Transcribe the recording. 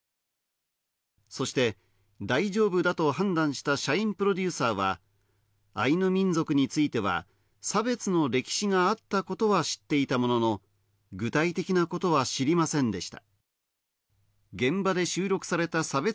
そして大丈夫だと判断した社員プロデューサーは、アイヌ民族については、差別の歴史があったことは知っていたものの、具体的なことは知りませんでした。